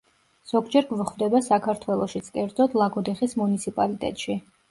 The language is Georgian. ზოგჯერ გვხვდება საქართველოშიც, კერძოდ ლაგოდეხის მუნიციპალიტეტში.